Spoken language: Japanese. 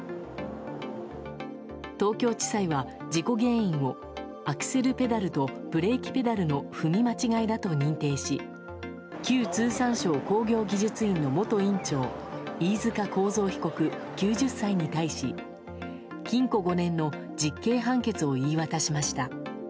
東京地裁は事故原因をアクセルペダルとブレーキペダルの踏み間違いだと認定し旧通産省工業技術院の元院長飯塚幸三被告、９０歳に対し禁錮５年の実刑判決を言い渡しました。